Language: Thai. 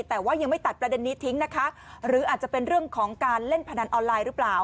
แต่ว่ายังไม่ตัดประเด็นนี้ทิ้งนะคะหรืออาจจะเป็นเรื่องของการเล่นพนันออนไลน์หรือเปล่า